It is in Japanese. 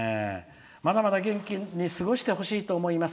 「まだまだ元気に過ごしてほしいと思います。